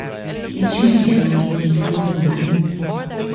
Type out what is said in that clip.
The instrument panel is made from aluminum.